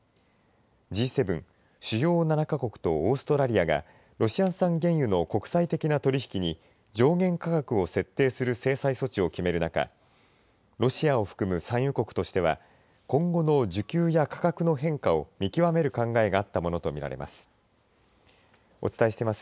Ｇ７＝主要７か国とオーストラリアがロシア産原油の国際的な取り引きに上限価格を設定する制裁措置を決める中ロシアを含む産油国としては今後の需給や価格の変化を見極める考えがあったものとみられます。